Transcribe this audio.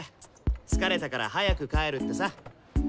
疲れたから早く帰るってさ。